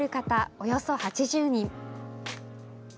およそ８０人。